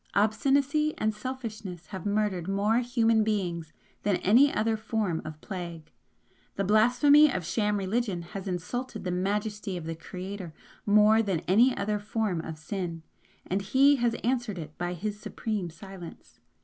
Obstinacy and selfishness have murdered more human beings than any other form of plague. The blasphemy of sham religion has insulted the majesty of the Creator more than any other form of sin, and He has answered it by His Supreme Silence.